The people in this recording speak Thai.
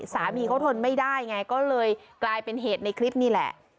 สามีเขาทนไม่ได้ไงก็เลยกลายเป็นเหตุในคลิปนี่แหละ